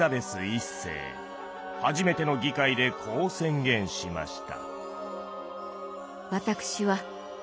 初めての議会でこう宣言しました。